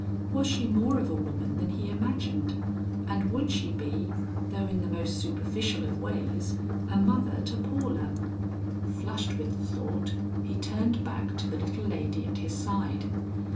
Was she more of a woman than he imagined, and would she be, though in the most superficial of ways, a mother to Paula? Flushed with the thought, he turned back to the little lady at his side.